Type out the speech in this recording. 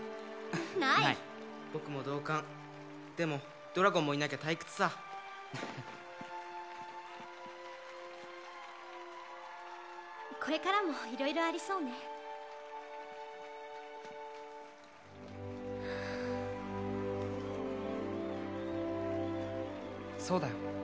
ない僕も同感でもドラゴンもいなきゃ退屈さこれからも色々ありそうねはぁそうだよ